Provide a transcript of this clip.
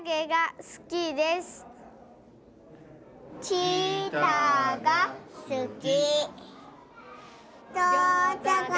ちーたーがすき。